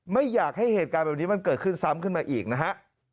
ไม่อยากให้เหตุการณ์แบบนี้มันเกิดขึ้นซ้ำขึ้นมาอีกนะฮะ